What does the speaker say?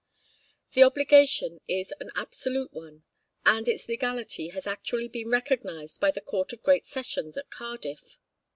The obligation is an absolute one, and its legality has actually been recognized by the Court of Great Sessions at Cardiff.